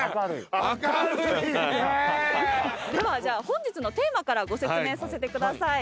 では本日のテーマからご説明させてください。